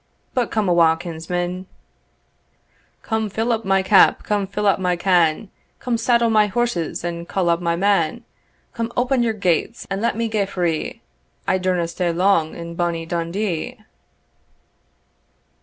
But come awa', kinsman, Come fill up my cap, come fill up my cann, Come saddle my horses, and call up my man; Come open your gates, and let me gae free, I daurna stay langer in bonny Dundee."